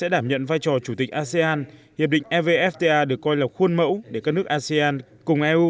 đảm nhận vai trò chủ tịch asean hiệp định evfta được coi là khuôn mẫu để các nước asean cùng eu